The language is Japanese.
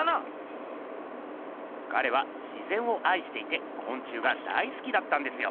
ガレは「自ぜん」をあいしていてこん虫が大すきだったんですよ。